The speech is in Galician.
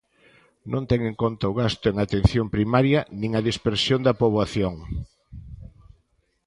Non ten en conta o gasto en atención primaria nin a dispersión da poboación.